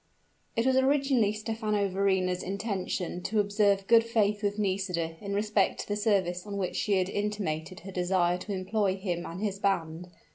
It was originally Stephano Verrina's intention to observe good faith with Nisida in respect to the service on which she had intimated her desire to employ him and his band.